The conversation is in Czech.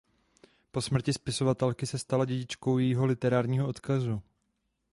Po smrti spisovatelky se stala dědičkou jejího literárního odkazu.